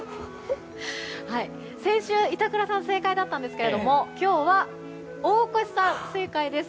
先週、板倉さん正解だったんですけども今日は大越さんが正解です。